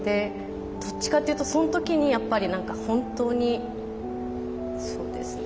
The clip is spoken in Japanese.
どっちかというとその時にやっぱり本当にそうですね。